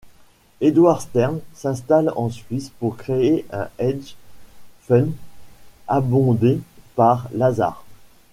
Édouard Stern s'installe en Suisse pour créer un hedge fund abondé par Lazard.